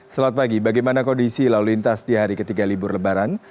selamat pagi bagaimana kondisi lalu lintas di hari ketiga libur lebaran